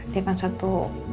dia kan satu